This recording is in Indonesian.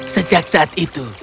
sejak saat itu